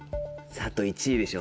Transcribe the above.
佐藤１位でしょ。